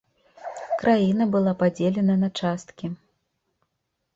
Краіна была падзелена на часткі.